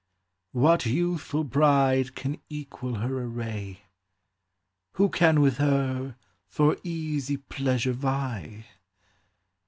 What youthful bride can equal her array? Who can with her for easy pleasure vie